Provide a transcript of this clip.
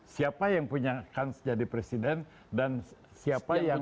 siapa yang punyakan jadi presiden dan siapa yang paling